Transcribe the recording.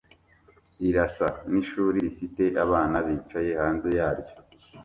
Irasa nishuri rifite abana bicaye hanze yaryo